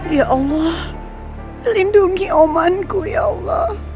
ya allah lindungi omanku ya allah